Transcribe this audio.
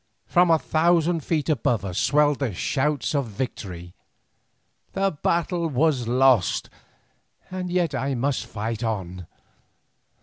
From a thousand feet above us swelled the shouts of victory. The battle was lost, and yet I must fight on.